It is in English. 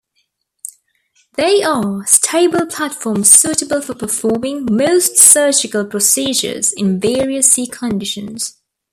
They are stable platforms suitable for performing most surgical procedures in various sea conditions.